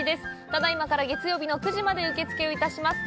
ただいまから、月曜日の９時まで受け付けをいたします。